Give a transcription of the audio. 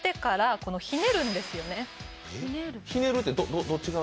ひねるってどっち側に？